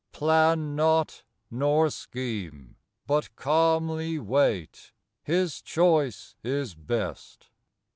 Plan not, nor scheme, — but calmly wait; His choice is best.